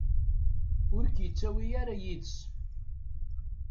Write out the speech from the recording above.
Ur k-yettawi ara yid-s.